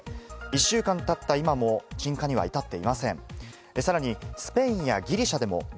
１週間経った今も、鎮火には至っていません。